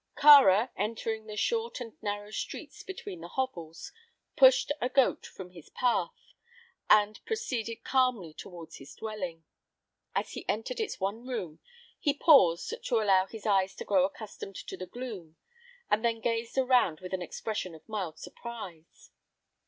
Kāra, entering the short and narrow street between the hovels, pushed a goat from his path and proceeded calmly toward his dwelling. As he entered its one room, he paused to allow his eyes to grow accustomed to the gloom and then gazed around with an expression of mild surprise.